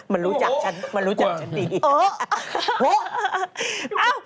มันรู้จักฉันดี